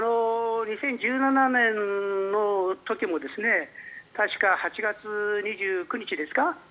２０１７年の時も確か８月２９日ですか